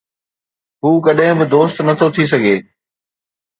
هو ڪڏهن به دوست نٿو ٿي سگهي